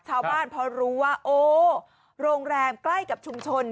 ชาวบ้านพอรู้ว่าโอ้โรงแรมใกล้กับชุมชน